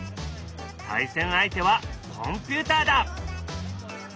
対戦相手はコンピューターだ。